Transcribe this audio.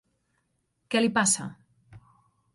Què li passa?